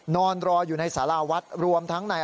นอนรออยู่ในสาราวัดรวมทั้งใน